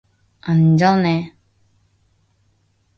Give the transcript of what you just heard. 안전해.